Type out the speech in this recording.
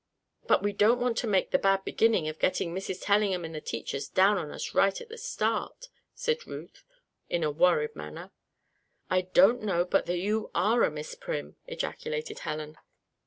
"But we don't want to make the bad beginning of getting Mrs. Tellingham and the teachers down on us right at the start," said Ruth, in a worried manner. "I don't know but that you are a Miss Prim!" ejaculated Helen.